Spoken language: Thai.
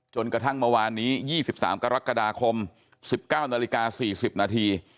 จนกระทั่งเมื่อวานนี้๒๓กรกฎาคม๑๙นาฬิกา๔๐นาที